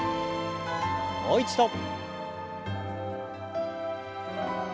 もう一度。